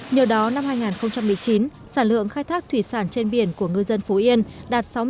nhờ đó năm hai nghìn một mươi chín sản lượng khai thác thủy sản trên biển của ngư dân phú yên đạt sáu mươi